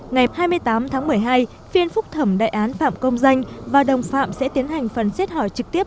ngày hai mươi tám tháng một mươi hai phiên phúc thẩm đại án phạm công danh và đồng phạm sẽ tiến hành phần xét hỏi trực tiếp